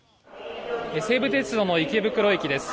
西武鉄道の池袋駅です。